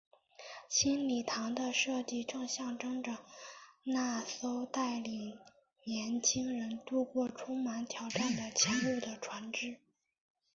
新礼堂的设计正象征着那艘带领年青人渡过充满挑战的前路的船只。